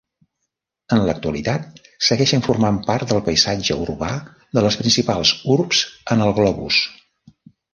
En l'actualitat segueixen formant part del paisatge urbà de les principals urbs en el globus.